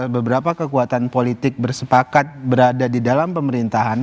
beberapa kekuatan politik bersepakat berada di dalam pemerintahan